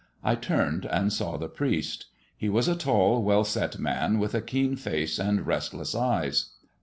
I turned, and saw the priest. He was a tall, well set man, with a keen face and restless eyes.